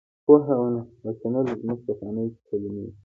پوهه او شنل زموږ پخوانۍ کلمې دي.